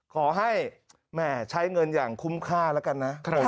ขอให้แม่ใช้เงินอย่างคุ้มค่าแล้วกันนะ